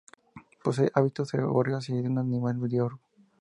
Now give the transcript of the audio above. Posee hábitos arbóreos y es un animal diurno.